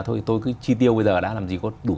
thôi tôi cứ chi tiêu bây giờ đã làm gì có đủ